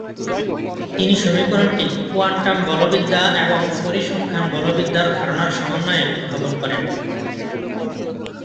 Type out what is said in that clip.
তিনি সমীকরণটি কোয়ান্টাম বলবিদ্যা এবং পরিসংখ্যান বলবিদ্যার ধারণার সমন্বয়ে উদ্ভাবন করেন।